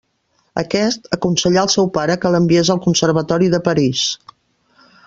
Aquest, aconsellà al seu pare que l'enviés al Conservatori de París.